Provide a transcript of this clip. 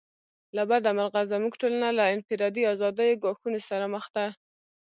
له بده مرغه زموږ ټولنه له انفرادي آزادیو ګواښونو سره مخ ده.